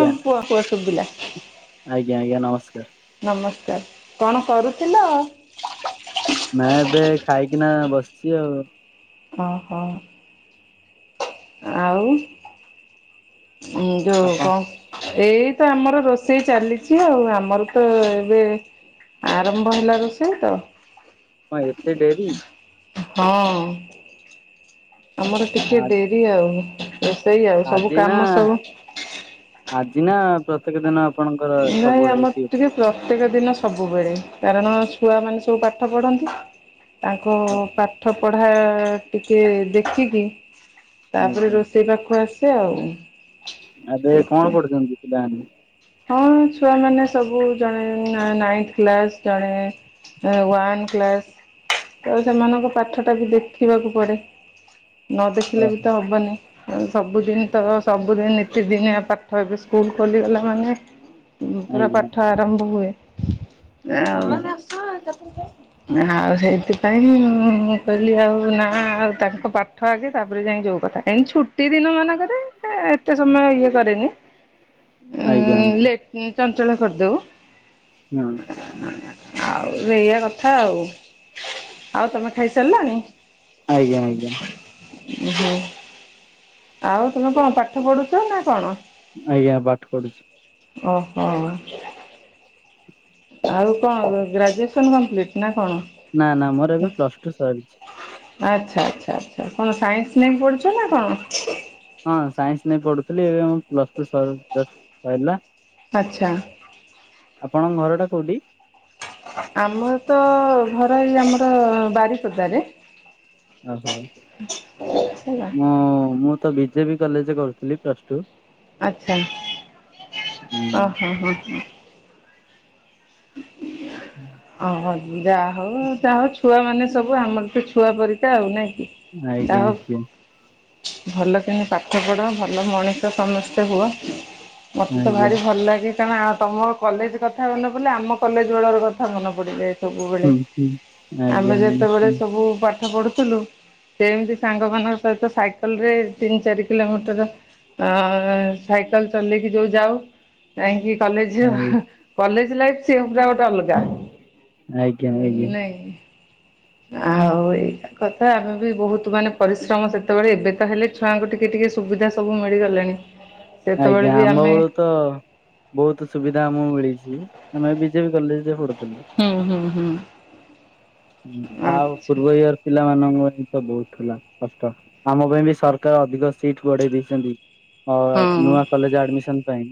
ହୁଁ କୁଅ କୁଅ ସୁଭିଲା। ଆଜ୍ଞା, ଆଜ୍ଞା, ନମସ୍କାର। ନମସ୍କାର କଣ କରୁଥିଲ? ନାଇ ଏବେ ଖାଇକିନା ବସିଛି ଆଉ। ଓହୋ। ଆଉ ଯୋଉ ଆପଣ କଣ ଏଇତ ଆମର ରୋଷେଇ ଚାଲିଛି ଆଉ ଆମର ତ ଏବେ ଆରମ୍ଭ ହେଲା ରୋଷେଇ ତ। କଣ ଏତେ ଡେରି? ହଁ। ଆମର ଟିକେ ଆ- ଡେରି ଆଉ। ରୋଷେଇ ଆଉ ସବୁ ଆଜି ନା, କାମ ସବୁ ଆଜି ନା ପ୍ରତ୍ୟେକ ଦିନ? ଆପଣଙ୍କର ନାଇଁ ଆମର ସବୁବେଳେ? ଟିକେ ପ୍ରତ୍ୟେକ ଦିନ ସବୁବେଳେ କାରଣ ଛୁଆମାନେ ସବୁ ପାଠ ପଢନ୍ତି। ତାଙ୍କ ପାଠ ପଢ଼ା ଟିକେ ଦେଖିକି ତାପରେ ଆଜ୍ଞା ରୋଷେଇ ପାଖ ଆସେ ଆଉ। ଏବେ କଣ ସେଇଥିପାଇଁ ପଢୁଛନ୍ତି ପିଲାମାନେ? ହଁ ଛୁଆ ମାନେ ସବୁ ଜଣେ ନାଇନ କ୍ଲାସ ଜଣେ ୱନ୍ କ୍ଲାସ୍ ତ ସେମାନଙ୍କ ପାଠଟା ବି ଦେଖିବାକୁ ପଡ଼େ। ନ ଦେଖିଲେ ବି ଓହୋ ତ ହବନି। ସବୁଦିନ ତ ସବୁଦିନ ନିତିଦିନିଆ ପାଠ ଏବେ ସ୍କୁଲ ଖୋଲିଗଲା ମାନେ ପୁରା ଆଜ୍ଞା ପାଠ ଆରମ୍ଭ ହୁଏ ଆଉ ଆଜ୍ଞା ଆଉ ସେଇଥିପାଇଁ ମୁଁ କହିଲି ଆଉ ନା ଆଉ ତାଙ୍କ ପା ଠ ଆଗେ ତାପରେ ଯାଇ ଯୋଉ କଥା। କାହିଁକି ଛୁଟି ଦିନ ମାନଙ୍କରେ ଏତେ ସମୟ ଇଏ କରେନି। [inaudible] ଆଜ୍ଞା। ଚଞ୍ଚଳ କରିଦଉ ହଁ ଆଉ ଏଇଆ କଥା ଆଉ, ଆଉ ତମେ ଖାଇସାରିଲାଣି? ଆଜ୍ଞା ଆଜ୍ଞା। ଓହୋ, ଆଉ ତମେ କଣ ପାଠ ପଢୁଛ ନା କଣ? ଆଜ୍ଞା ପାଠ ପଢୁଛି। ଓ ହଅଁ। ଆଉ କଣ ଗ ଗ୍ରାଜୁଏସନ୍ କମ୍ପ୍ଲିଟ୍ ନା କଣ? ନାଁ ନାଁ ମୋର ଏବେ ପ୍ଲସ୍ ଟୁ ସରିଛି। ଆଚ୍ଛା ଆଚ୍ଛା ଆଚ୍ଛା କଣ ସାଇଁନ୍ସି ନେଇ ପଢ଼ୁଛ ନାଁ କଣ? ହଁ ସାଇଁନ୍ସି ନେଇ ପଡ଼ୁଥିଲି ଏବେ ଆମ୍ ପ୍ଲସ୍ ଟୁ ସର୍ ଯସ୍ ଆଇଲା। ଆଚ୍ଛ। ଆପଣଙ୍ଗ୍ ଘର ଟା କୋଉଡ଼ି? ଆମର ତ ଘର ଏଇ ଆମର ବାରିପଦାରେ। ଓହୋ ହେଲା। ମୁଁ ମୁ ତ ବିଜେବି କଲେଜେ କରୁଥିଲି ପ୍ଲସ୍ ଟୁ। ଆଚ୍ଛା [unintelligible] ହୁଁ ଅ ହଁ ହଁ ହଁ। ହୁଁ। ଅ ହ ଯି ଯାହା ହଉ ଯାହା ହଉ ଛୁଆମାନେ ସବୁ ଆମର ତେ ଛୁଆ ପରିିକା ଆଉ ନାଇଁ କି? ଆଜ୍ଞା ଦା ହଉ। ଆଜ୍ଞା ଭଲ କିନି ପାଠ ପଢ଼ ଭଲ ମଣିଷ ସମେସ୍ତେ ହୁଅ। ମଥେ ତ ଆଜ୍ଞା ଭାରି ଭଲ୍ ଲାଗେ କାରଣ ଆ ତମ କଲେଜେ କଥା ଗଲ। ବୁନ୍ଲେ ଆମ କଲେଜ୍ ବେଳର କଥା ମନେ ପଡ଼ିବେ। ତବୁବେଳେ ହୁଁ ହୁଁ। ଆଜ୍ଞା ଆମେ ନିଶ୍ଚୟ ଯେତବଳେ ସବୁ ପାଠ ପଢ଼ୁଥିଲୁ। ସେ ଏମିତି ସାଙ୍ଗ ମାନଙ୍କ ସହିତ ସାଇକଲ୍ ରେ ତିନି ଚାରି କିଲୋମିଟର। ଅଁ ସାଇକଲ୍ ଚଲେଇକି ଯୋଉ ଯାଉ। ତାହିଁଙ୍କି ଆଇ କଲେଜ୍ହ କଲେଜ୍ ଲାଇଫି ସିଏହୁପୁରା ଗୋଟା ଅଲ୍ଗା। ଆଜ୍ଞା ଅଏଜ୍ଞା। ଏଇ ଆଓ ଏଇକା। କଥା ଆମେ ବି ବୋହୁତୁ ମାନେ ପରିଶ୍ରମ ସେତବଳେ ଏବେ ତ ହେଲେ ଛୁଆଁଙ୍କୁ ଟିକେ ଟିକେ ସୁବିଧା ସବୁ ମିଳିଗଲେଣି। ଆଜ୍ଞା ସେତବଳେ ବି ଆମ ଆମେ ବେଳୁ ତ ବୋହୁଥୁ ସୁବିଧା ଆମୁଁ ମିଳିଛି ଆମେ ବିଜେପି କଲେଜେ ପଡ଼ୁଥିଲୁ। ହୁଁ ହୁଁ ହୁଁ। ଉଁନା ଆଉ ଆଚ୍ଛା ପୂର୍ବ ଇୟର୍। ପିଲାମାନଙ୍କ ପାଇଁ ତ ବହୁତ୍ ଥିଲା କଷ୍ଟ ଆମ ପାଇଁ ବି ସରକାର ଅଧିକ ସିଟ୍ ବଢ଼େଇ ଦେଇଛନ୍ତି। ହ [unintelligible] ହ ଆଉ ହଁ ନୂଆ କଲେଜ୍ ଆଡ୍ମିସନ୍ ପାଇଁ।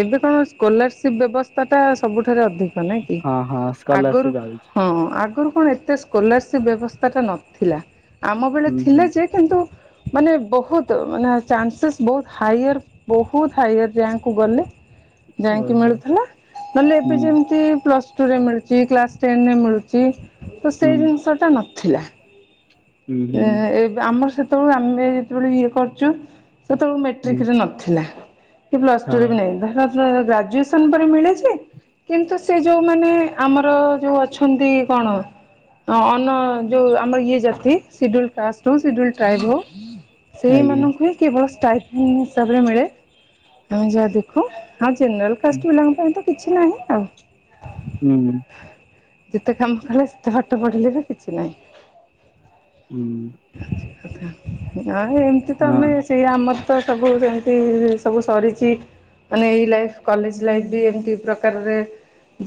ଏବେ କଣ ସ୍କଲାରସିପ୍ ବ୍ୟବସ୍ଥା ଟା ସବୁଠାରେ ଅଧି। ହଁ ନାଇଁକି ହଁ ଆଗରୁ ସ୍କଲାରସିପ ଆଉଛି। ହଁ ଆଗରୁ କଣ ଏତେସ୍ କଲାର୍ସିପ୍ ବ୍ୟବସ୍ଥା ଟା ନଥିଲା। ଆମ ବେଳେ ହୁଁ ଥିଲା ହୁଁ ଯେ କିନ୍ତୁ ମାନେ ବୋହତୁ ନା ଚାନ୍ସେସ୍ ବୋହୁ ହାଇୟର ବୋହୁତ୍ ହାଇୟର ରିୟାଙ୍କ୍। କୁ ଗଲି ଯାଇଁକି ଓହୋ ମିଳୁଥେଲା ନଏଲେ ହୁଁ ଏବେ ଯେମିତି ପସ୍ ତୁରେ ମିଳୁଛି କ୍ଲାସ୍ ଟେନେରେ ମିଳୁଛି ତ ହୁଁ ସେଇ ଜିନିଷଟା ନଥିଲା। [inaudible] ଏଁ ଏବେ ଆମର୍ ସେତବଳେ ଆମେ ଯେତେବେଳେ ଇଏ ଖର୍ଚ ସେତେବେଳୁ ହୁଁ ମେଟ୍ରିକ୍ ରେ ନ ଥିଲା କି ପ୍ଲସ୍ ଟୁ ହଁ ରେ ନାଇଁ [unintelligible] ଗ୍ରାଯୁଏସନ୍ ପରେ ମିଳିଛି। କିନ୍ତୁ ସେ ଯୋଉମାନେ ଆମର ଯୋଉ ଅଛନ୍ତି କଣ? ଅନଁ ଯୋଉ ଆମର ଇଏ ଜାତି। ସିଡ଼ୁଲ୍ କାଷ୍ଟର ସିଡ଼ୁଲ୍ ଟ୍ରାଇଭ ସେଇ ଆଜ୍ଞା ମମଙ୍କୁ ହିଁ କି ଭସ୍ ଷ୍ଟାଇଲ୍। [unintelligible] ନ୍ ହିସାବରେ ମିଳେ ଆମେ ଯାହା ଦେଖୁ। ଆଉ ଜେନେରାଲ କାଷ୍ଟ ପିଲାଙ୍କ ପାଇଁ ତ କିଛି ନାହିଁ ଆଉ। ହୁଁ। ଯେତେ କାମ କଲେ ଯେତେ ପାଠପଢିଲେ ବି କିଛି ନାହିଁ। ହୁଁ। ନହେଲେ ଏମିତି ତ ହଁ। ଆମେ ସିଏ ଆମର ତ ସବୁ ସେମିତି ସବୁ ସରିଛି। ମାନେ ଏଇ ଲାଇଫ୍ କଲେଜ୍‌ ଲାଇଫ୍ ବି ଏମିତି ପ୍ରକାରରେ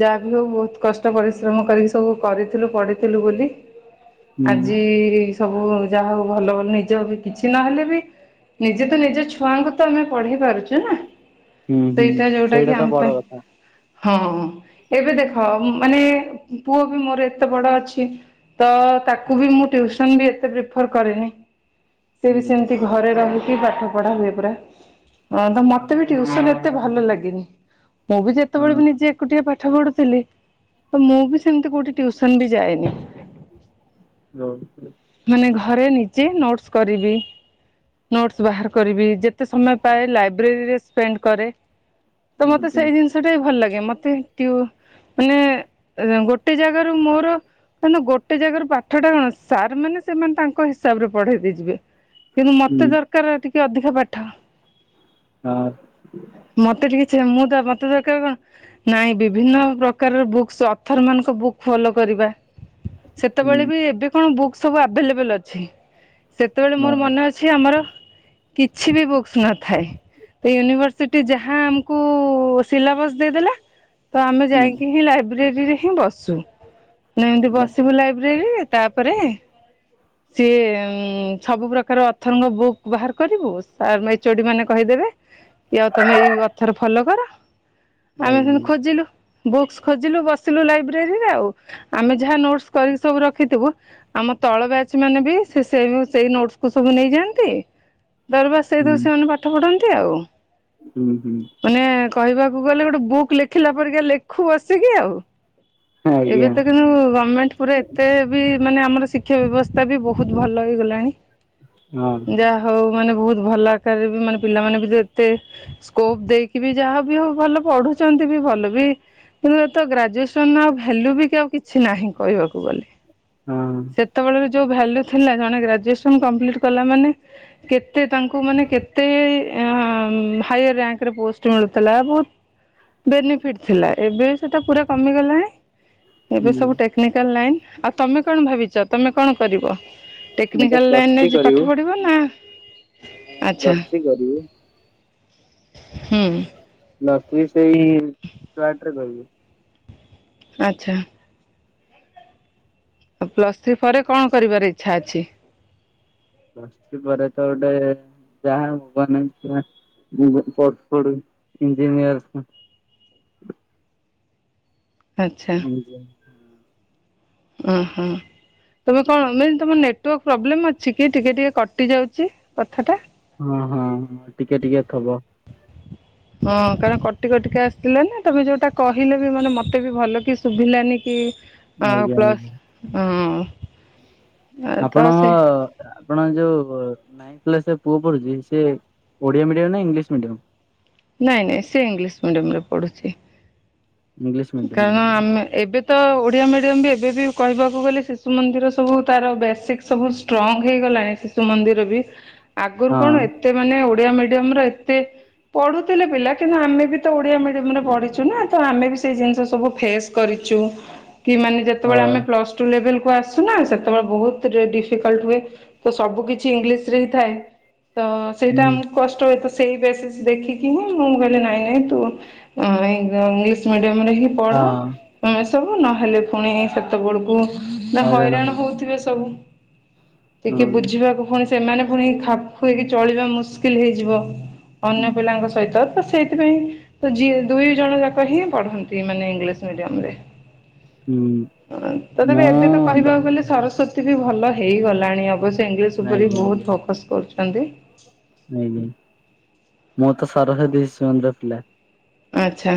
ଯାହା ବିି ହୋଉ ବହୁତ କଷ୍ଟ ପରିଶ୍ରମ କରିକି ସବୁ କରିଥିଲୁ ପଢି ଥିଲୁ ବୋଲି ହୁଁ ଆଜି ସବୁ ଯାହା ହୋଉ ଭଲ ଭଲ ନିଜ ବି କିଛି ନହେଲେ ବି ନିଜେ ତ ନିଜ ଛୁଆଙ୍କୁ ତ ଆମେ ପଢେଇ ପାରୁଛୁ ନା ହୁଁ ହୁଁ ସେଇଟା ଯୋଉଟା କି ତ ଆମ ବଡ ପାଇଁ କଥା ହଁ। ଏବେ ଦେଖ ମାନେ ପୁଅ ବି ମୋର ଏତେ ବଡ ଅଛି। ତ ତାକୁ ବି ମୁଁ ଟ୍ୟୁସନ ବି ଏତେ ପ୍ରିଫର କରେନି ସେ ବି ହୁଁ ସେମିତି ଘରେ ରହିକି ପାଠ ପଢା ହୁଏ ପରା। ତ ମତେ ବି ଟିଉସନ୍ ଏତେ ଭଲ ଲାଗିନି। ମୁଁ ବି ଯେତେବେଳେ ହଁ ବି ନିଜେ ଏକୁଟିଏ ପାଠ ପଢୁଥିଲି ତ ମୁଁ ବି ସେମିତି କୋଉଠି ଟିଉସନ୍ ବି ଯାଏନି। ହାଲୋ। ମାନେ ଘରେ ନିଜେ ନୋଟ୍ସ୍‌ କରିବି। ନୋଟସ୍ ବାହାର କରିବି ଯେତେ ସମୟ ପାଏ ଲାଇବ୍ରେରୀ ରେ ସ୍ପେଣ୍ଡ କରେ। ତ ମତେ ଆଜ୍ଞା ସେଇ ଜିନିଷ ଟା ବି ଭଲ ଲାଗେ ମତେ ଟିଉ ମାନେ ଗୋଟେ ଏଁ ଜାଗାରୁ ମୋର ମାନେ ଗୋଟେ ଜାଗାରୁ ପାଠ ଟା କଣ। ସାର୍ ମାନେ ସେମାନେ ତାଙ୍କ ହିସାବ ରେ ପଢେଇ ଦେଇଯିବେ। କିନ୍ତୁ ମତେ ହୁଁ ଦର କାର ଟିକେ ଅଧିକ ପାଠ। ହଁ। ମତେ ଟିକେ ଚେ ମୁଁ ତ ମତେ ଦରକାର କଣ? ନାଇଁ ବିଭିନ୍ନ ପ୍ରକାରର ବୁକ୍ସ୍ ଅଥର ମାନଙ୍କ ବୁକ୍ ଫଲୋ କରିବା। ହୁଁ ସେତେବେଳେ ବି ଏବେ କଣ ବୁକ୍ସ୍ ସବୁ ଆଭେଲେବୁଲ୍ ଅଛି। ସେତେବେଳେ ମୋର ହଁ ମନେ ଅ କିଛି ଆମର କିଛି ବି ବୁକ୍ସ୍ ନଥାଏ। ୟୁନିଭର୍ସ ସିଟିଯାହା କୁ ସିଲାବସ୍‌ ଦେଇଦେଲା ତ ଆମେ ହୁଁ ଯାଇକି ହିଁ ଲାଇ ବ୍ରେରୀରେ ହିଁ ବସୁ। ମାନେ ଏମିତି ହଁ ବସିବୁ ଲାଇବ୍ରେରୀରେ ତାପରେ ସିଏ ସବୁ ପ୍ରକାର ଅଥରଙ୍କ ବୁକ୍ ବାହାର କରିବୁ ସାର୍ ଏ ମେ ଏଚୋଡ଼ି ମାନେ କହିଦେବେ। କି ଆଉ ତମେ ଏଇ ଅଥର ଫଲୋ କର ଆମେ ଆଜ୍ଞା ସେମିତି ଖୋଜିଲୁ। ବୁକ୍ସ୍ ଖୋଜିଲୁ ବସିଲୁ ଲାଇବ୍ରେରୀରେ ଆଉ। ଆମେ ଯାହା ନୋଟସ୍ କରିକି ସବୁ ର ରଖିଥିବୁ ଆମ ତଳ ବ୍ୟାଚ ମାନେ ବି ସେ ସେ ସେଇ ନୋଟ୍‌କୁୁ ସବୁ ନେଇଯାଆନ୍ତି। ଦରବା ସେଇତ ହୁଁ ସେମାନେ ପାଠ ପଢନ୍ତି ଆଉ। ହୁଁ ହୁଁ। ମାନେ କହିବାକୁ ଗଲେ ଗୋଟେ ବୁକ୍ ଲେଖିଲା ପରିକା ଲେଖୁ ବସିକି ଆଉ। ଆଜ୍ଞା ଏବେ ତ କିନ୍ତୁ ଗମେଣ୍ଟ ପୁରା ଏତେ ବି ମାନେ ଆମର ଶିକ୍ଷା ବ୍ୟବସ୍ଥା ବି ବହୁତ ଭଲ ହେଇଗଲାଣି। ହଁ। ଯାହା ହଉ ମାନେ ବହୁତ ଭଲ ଆକାରରେ ବି ମାନେ ପିଲାମାନେ ବି ତ ଏତେ ସ୍କୋପ ଦେଇକି ବି ଯାହାବି ହୋଉ ଭଲ ପଢୁଛନ୍ତି ବି ଭଲ ବି କିନ୍ତୁ ଏ ତ ଗ୍ରାଜୁଏସନ୍ ଆଉ ଭାଲ୍ୟୁ ବି ଆଉ କିଛି ନାହିଁ କହିବାକୁ ଗଲେ। ହଁ। ଯେତେବେଳେ ବି ଯୋଉ ଭାଲ୍ୟୁ ଥିଲା ଜଣେ ଗ୍ରାଜୁଏସନ୍ କମ୍ପଲିଟ୍ କଲା ମାନେ କେତେ ତାଙ୍କୁ ମାନେ କେତେ ହାଏରୀ ଆଙ୍କରେ ପୋଷ୍ଟ ମିଳୁଥିଲା ବହୁତ। ବେନିଫିଟ ଥିଲା ଏବେ ସେଟା ପୁରା କମିଗଲାଣି। ଏବେ ହୁଁ ସବୁ ଟେକ୍ନିକାଲ ଲାଇନ୍ ଆଉ ତମେ କଣ ଭାବିଛ ତମେ କଣ କରିବ? ମୁଁ ତ ଟେକ୍ନିକାଲ ପ୍ଲସ୍ ଥ୍ରୀ ଲାଇନରେ କରିବୁ ପାଠ ପଢିବ। ଆଛା ପ୍ଲସ୍ ଥ୍ରୀ କରିବୁ ହୁ। ପ୍ଲସ ଥ୍ରୀ ସେଇ ଷ୍ଟୁଆର୍ଟରେ କରିବି। ଆଚ୍ଛା। ଆଉ ପ୍ଲସ ଥ୍ରୀ ପରେ କଣ କରିବାର ଇଚ୍ଛା ଅଛି? ବସିଛି ପରେ ତ ଗୋଟେ ଯାହା ହବନେଇ। ଇଞ୍ଜିନିୟର୍। ଆଚ୍ଛା। ଆ ଓ ହୋ। ତମେ କଣ ମ ତମ ନେଟୱାର୍କ ପ୍ରୋବ୍ଲେମ ଅଛି କି ଟିକେ ଟିକେ କଟି ଯାଉଛି କଥା ଟା ହଁ ହଁ ଟିକେ ଟିକେ ଥବ। ହଁ କାରଣ କଟି କଟିକେ ଆସିଥିଲେ ନା ତମେ ଯୋଉଟା କହିଲେ ବି ମାନେ ମତେ ବି ଭଲ କି ଶୁଭିଲାନି କି। ହ ଆଜ୍ଞା ଆଜ୍ଞା ପ୍ଲସ୍ ହ। ଆପଣ ଆପଣ ଯୋଉ ନାଇନ୍ଥ କ୍ଲାସରେ ପୁଅ ପଢୁଛି ସେ ଓଡ଼ିଆ ମିଡିୟମ ନା ଇଂଲିଶ ମିଡିୟମ। ନାଇଁ ନାଇଁ ସେ ଇଂଲିଶ ମିଡିୟମ ରେ ପଢୁଛି। ଇଂଲିଶ ମିଡିୟମ କାରଣ ଆମେ ଏବେ ତ ଓଡ଼ିଆ ମିଡ଼ିୟମ ବି ଏବେ ବି କହିବାକୁ ଗଲେ ଶିଶୁ ମନ୍ଦିର ସବୁ ତାର ବେସିକ୍ସ। ସବୁ ଷ୍ଟ୍ରଙ୍ଗ ହେଇଗଲାଣି ଶିଶୁ ମନ୍ଦିର ବି ଆଗରୁ ହଁ କଣ ଏ ଏତେ ମାନେ ଓଡିଆ ମିଡିୟମ ର ଏତେ ପଢୁଥିଲେ ପିଲା କିନ୍ତୁ ଆମେ ବି ତ ଓଡିଆ ମିଡିୟମ ରେ ପଢିଛୁ ନା ତ ଆମେ ବି ଜିନିଷ ସବୁ ଫେସ କରିଛୁ ଯେତେବେଳେ ହଁ ଆମେ ପ୍ଲୁସ ଆସୁ ନା ସେତେବେଳେ ବହୁତ ଡିଫିକେଲତ ହୁଏ ତ ସବୁ କିଛି ଇଂଲିଶ ଥାଏ ତ ହୁଁ ସେଇଟା ଆମକୁ କଷ୍ଟ ହୁଏ ତ ସେଇ ବେସିସ୍ ଦେଖିକି ହିଁ ମୁଁ କହିଲି ନାଇଁ ନାଇଁ ତୁ ମିଡିମ ରେ ହିଁ ହଁ ପଢେ ସବୁ ନହେଲେ ପୁଣି ସେତେବେଳକୁ ନା ହଇରାଣ ହଉଥିବେ ସବୁ ଟିକେ ହଁ ବୁଝିବାକୁ କଣ? ସେମାନେ ପୁଣି ଖାପ ଖୁଆଇକି ଚଳିବା ମୁସ୍କିଲ ହେଇଯିବ ଅନ୍ୟ ପିଲାଙ୍କ ସହିତ ତ ସେ ସେଥିପାଇଁ ଯ ଦୁଇ ଜଣ ଯାକ ହିଁ ପଢନ୍ତି ମାନେ ଇଂଲିଶ ମିଡିୟମ ରେ ହୁଁ ହ ତ ତେପ ମୁଁ ଏବେ ତ ଦ କହିବାକୁ ଗଲେ ସରସ୍ଵତୀ ଏତ ବି ଭଲ ହେଇଗଲାଣି ଅବଶ୍ୟ ଇଂଲିଶ ଉପରେ ବି ଆଜ୍ଞା ବହୁତ ଫୋକସ୍ କରୁଛନ୍ତି। ନାଇଁ ନାଇଁ ମୁଁ ତ ସରସ୍ବତୀ ଶିଶୁମନ୍ଦିର ପିଲା। ଆଛା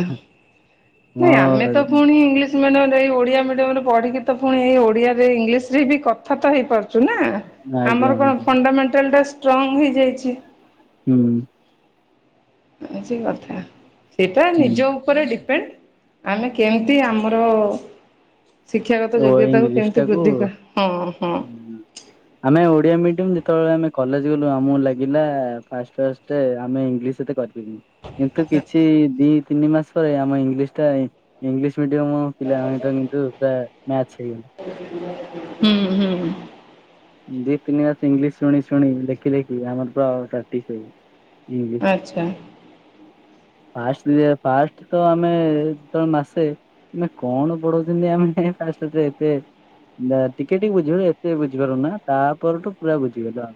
ମୋ ନାଇଁ ଆମେ ତ ପୁଣି ଇଂଲିଶ ଇ ମିୟମ ଏଇ ଓଡ଼ିଆ ମିଡିୟମ ରେ ପଢିକି ତ ପୁଣି ଏଇ ଓଡ଼ିଆ ଇଂଲିଶରେ ବି କଥା ତ ହେଇପାରୁ। ନା ଆଜ୍ଞା ଆମର ଆଜ୍ଞା କଣ ହୁଁ ଫଣ୍ଡାମେଣ୍ଟାଲ ଟା ଷ୍ଟ୍ରଙ୍ଗ ହେଇଯାଇଛି। ହୁଁ। ସେ କଥା ସେଟା ହୁଁ ନିଜ ଉପରେ ଡିପେଣ୍ଡ ଆମେ କେମିତି ଆମର ଶିକ୍ଷାଗତ ଓ ଯୋଗ୍ୟତାକୁ ଇଂଲିଶ କେମିତି ଟାକୁ ବୃଦ୍ଧି କରିବା ହଁ ହଁ। ଆମେ ଓଡିଆ ମିଡିୟମ ଯେତେବେଳେ ଆମେ କଲେଜ ଗଲୁ ଆମକୁ ଲାଗିଲା ଫା ଫ ତେ ଆମେ ଇଂଲିଶ ଏତେ କରି। କିନ୍ତୁ କିଛି ଦି ତିନି ମାସ ପରେ ଆମ ଇଂଲିଶ ଟା ଇଂଲିଶ। ମିଡିୟମ ପିଲାମାନେ ତ [inaudible] ପୁରା ମ୍ୟାଚ୍ ହେଇ [inaudible] ହୁଁ ହୁଁ। ଦି ତିନି ମାସେ ଇଂଲିଶ୍ ଶୁଣି ଶୁଣି ଦେଖିି ଦେଖି ଆମର ପୁରା ପ୍ରାକ୍ଟିସ୍ ହେଇ ଇଂଲିଶ୍ ହ [inaudible] ଫାଷ୍ଟ ଯେ ଫାଷ୍ଟ୍ ତ ଆମେ ଯେବଳେ ମାସେ ମାନେ କଣ ପଢଉଚନ୍ତି ଆମେ ଫାଷ୍ଟ୍ ତ ଏତେ ଟିକେ ଟିକେ ବୁଝିଗଲୁ ଏତେ ବୁଝିପାରୁ ନା ତାପରଠୁ ପୁରା ବୁଝିଗଲୁ ଆଉ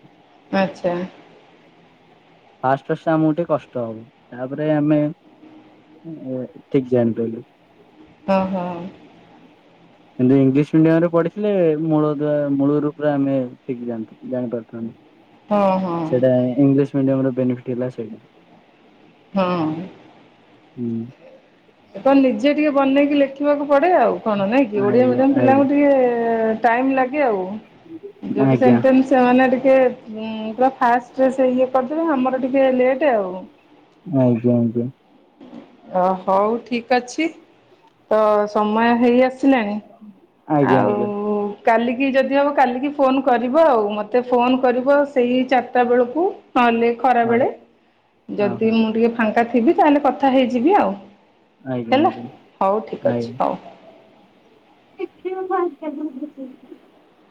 ଆଚ୍ଛା। ଫାଷ୍ଟ୍ ଫାଷ୍ଟ୍ ଆମୁକୁ ଟିକେ କଷ୍ଟ ହବ ତାପରେ ଆମେ ଠିକ୍ ଜାଣି ପାଇଲୁ। ହଁ ହଁ। କିନ୍ତୁ ଇଂଲିଶ୍ ମିଡିୟମ୍ ରେ ପଢିଥିଲେ ମୂଳଦୁଆ ମୁଳୁରୁ ପୁରା ଆମେ ଠିକ୍ ଯାଆନ୍ତି ଜାଣି ପାରୁଥାନ୍ତୁ। ହଁ ହଁ। ସେଇଟା ଇଂଲିଶ୍ ମିଡିୟମ୍ ର ବେନିଫିଟ୍ ହେଲା ସେଇଟା। ହଁ। ହୁଁ। କଣ ନିଜେ ଟିକେ ବନେଇକି ଲେଖିବାକୁ ପଡେ ଆଉ କଣ ନାଇଁ କି ଓଡିଆ ଆଜ୍ଞା ମିଡିୟମ ଆଜ୍ଞା ପିଲାଙ୍କୁ ଟିକେ ଟାଇମ୍ ଲାଗେ ଆଉ ଯେ ଗୋଟେ ଆଜ୍ଞା ସେନ୍ଟେନ୍ସ୍ ପିଲାମାନେ ଟିକେ ପୁରା ଫାଷ୍ଟ୍ ରେ ସେ ଇଏ କରିଦେବେ ଆମର ଟିକେ ଲେଟ୍ ଆଉ। ଆଜ୍ଞା ଆଜ୍ଞା। ଅ ହଉ ଠିକ୍ ଅଛି ତ ସମୟ ହେଇ ଆସି ଲାଣି ଆଜ୍ଞା ଆଉ ଆଜ୍ଞା। କାଲିକି ଯଦି ହବ କାଲିକି ଫୋନ୍ କରିବ ଆଉ ମତେ ଫୋନ୍ କରିବ ସେଇ ଚାରିଟା ବେଳୁକୁ ନହେଲେ ଖରା ହଁ ବେଳେ ହଁ ଯଦି ହଁ ମୁଁ ଟିକେ ଫାଙ୍କା ଥିବି ତାହେଲେ କଥା ହେଇଯିବି ଆଉ। ଆଜ୍ଞା ହେଲା ଆଜ୍ଞା ହଉ ଠିକ୍ ଅଛି ହଉ। ଦେଖ ଭଞ୍ଚ [inaudible]